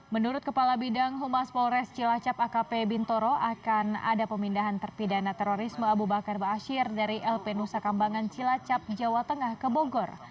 menurut kepala bidang humas polres cilacap akp bintoro akan ada pemindahan terpidana terorisme abu bakar baasyir dari lp nusakambangan cilacap jawa tengah ke bogor